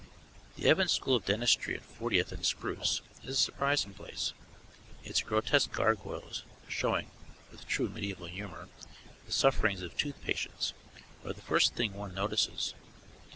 The Evans School of Dentistry at Fortieth and Spruce is a surprising place. Its grotesque gargoyles, showing (with true medieval humour) the sufferings of tooth patients, are the first thing one notices.